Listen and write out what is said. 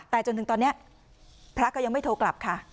แต่จนถึงตอนนี้พระก็ยังไม่โทรกลับค่ะ